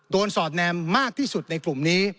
สอดแนมมากที่สุดในกลุ่มนี้